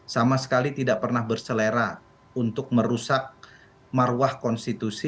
sama sekali tidak pernah berselera untuk merusak marwah konstitusi